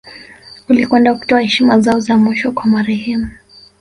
Walikwenda kutoa heshima zao za mwisho kwa marehemu